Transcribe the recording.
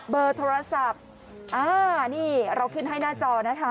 เบอร์โทรศัพท์อ่านี่เราขึ้นให้หน้าจอนะคะ